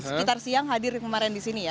sekitar siang hadir kemarin di sini ya